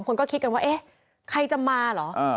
คนก็คิดกันว่าเอ๊ะใครจะมาเหรอ